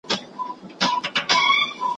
راته مه وایه چي ژوند دی بې مفهومه تش خوبونه `